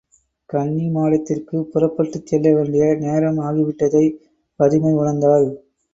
கன்னிமாடத்திற்குப் புறப்பட்டுச் செல்லவேண்டிய நேரம் ஆகி விட்டதைப் பதுமை உணர்ந்தாள்.